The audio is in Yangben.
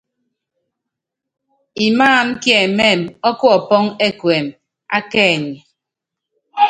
Imáam kiɛmɛ́ɛm ɔ kuɔpɔŋ ɛkuɛm a kɛɛny.